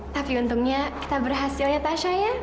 tapi untungnya kita berhasil ya tasha ya